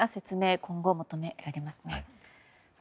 今後、求められますね。